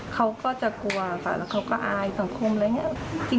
เขาก็จะกลัวค่ะแล้วเขาก็อายสังคมอะไรอย่างนี้